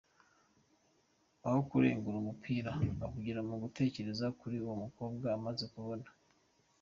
Aho kurengura umupira ahugira mu gutekereza kuri uwo mukobwa amaze kubona.